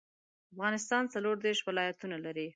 افغانستان څلوردیرش ولايتونه لري.